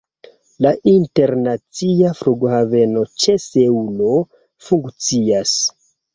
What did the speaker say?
La internacia flughaveno ĉe Seulo funkcias.